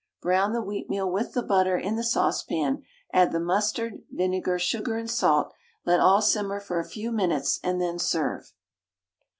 Brown the wheatmeal with the butter in the saucepan, add the mustard, vinegar, sugar, and salt, let all simmer for a few minutes, and then serve.